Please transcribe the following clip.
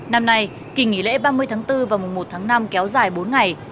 năm nay kỳ nghỉ lễ ba mươi tháng bốn và mùa một tháng năm kéo dài bốn ngày